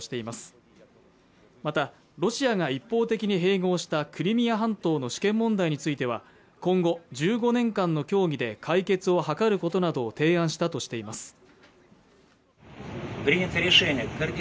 またロシアが一方的に併合したクリミア半島の主権問題については今後１５年間の協議で解決を図ることなどを提案したとしています